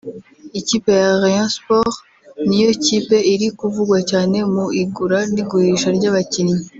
Ikipe ya Rayon Sports niyo kipe iri kuvugwa cyane mu igura n’igurisha ry’abakinnyi